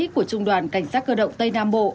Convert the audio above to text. của trung đoàn cảnh sát cơ động tây nam bộ